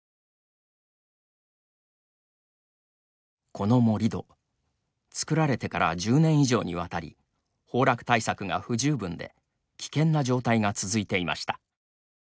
この盛り土、作られてから１０年以上にわたり崩落対策が不十分で危険な状態が続いていました。